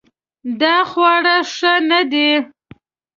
دا خواړه ښه نه دي